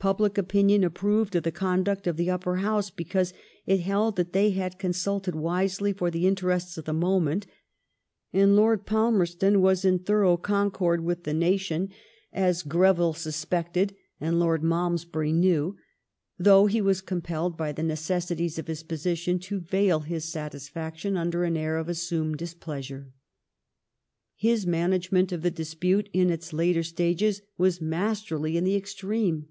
Public opinion approved of the conduct of the Upper House^ because it held that they had con sulted wisely for the interests of the moment ; and Lord Palmerston was in thorough concord with the nation, as «)6 LIFE OF VISCOUNT PALMERSTON. OreTiUe tnspeoted «nd Lord Malmesbary knew, though he was compelled }by the BeoesntieB of bis positieB te mil his satisfsetion under an air of assomed displeaeiiyo. His management of the dispnte in its later sti^|es w«i masterly in the extreme.